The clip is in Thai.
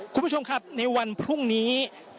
คุณผู้ชมครับในวันพรุ่งนี้